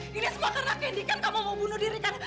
tidak semua karena ini kan kamu mau bunuh diri kan